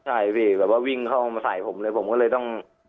ใช่พี่แบบว่าวิ่งเข้ามาใส่ผมเลยผมก็เลยต้อง